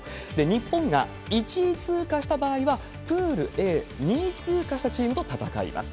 日本が１位通過した場合はプールＡ２位通過したチームと戦います。